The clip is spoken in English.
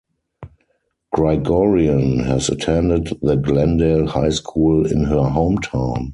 Grigorian has attended the Glendale High School in her hometown.